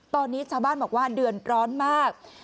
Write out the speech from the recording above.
ตอนนี้ชาวบ้านบอกว่าเดือดร้อนมาก